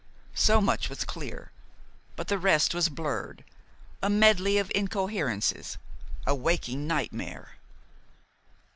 So much was clear; but the rest was blurred, a medley of incoherences, a waking nightmare.